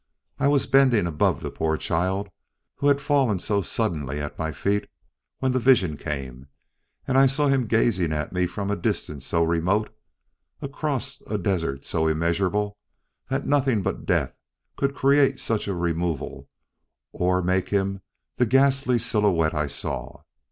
I was bending above the poor child who had fallen so suddenly at my feet, when the vision came, and I saw him gazing at me from a distance so remote across a desert so immeasurable that nothing but death could create such a removal or make of him the ghastly silhouette I saw.